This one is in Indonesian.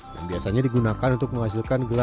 yang biasanya digunakan untuk membuat kaca mobil atau cermin